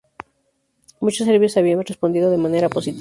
Muchos serbios habían respondido de manera positiva.